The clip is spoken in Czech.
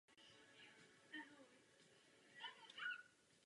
Přehradní hráz je sypaná s betonovým jádrem.